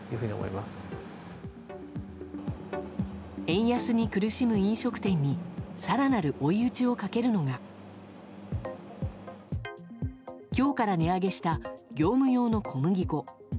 円安に苦しむ飲食店に更なる追い打ちをかけるのが今日から値上げした業務用の小麦粉。